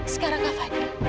sekarang kak fadil